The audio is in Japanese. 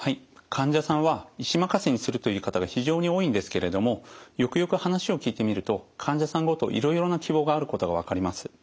患者さんは医師任せにするという方が非常に多いんですけれどもよくよく話を聞いてみると患者さんごといろいろな希望があることが分かります。